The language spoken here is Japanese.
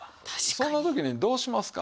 そんな時にどうしますか？